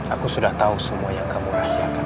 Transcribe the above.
aku sudah tahu semua yang kamu rahasiakan